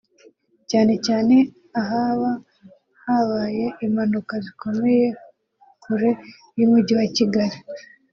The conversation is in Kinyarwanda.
cyane cyane ahaba habaye impanuka zikomeye kure y’umujyi wa Kigali